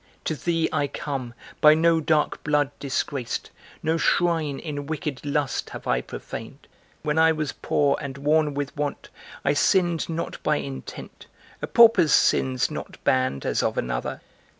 To thee I come, by no dark blood disgraced, No shrine, in wicked lust have I profaned; When I was poor and worn with want, I sinned Not by intent, a pauper's sin's not banned As of another!